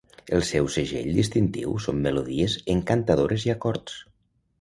El seu segell distintiu són melodies encantadores i acords.